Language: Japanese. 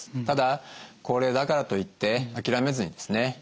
ただ高齢だからといって諦めずにですね